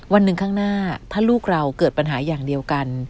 วันหนึ่งข้างหน้าถ้าลูกเราเกิดปัญหาอย่างเดียวกัน